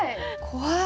怖い。